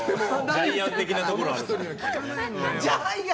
ジャイアン的なところがある。